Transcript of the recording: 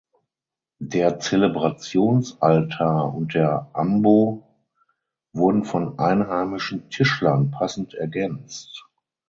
Der Zelebrationsaltar und der Ambo wurden von einheimischen Tischlern passend ergänzt.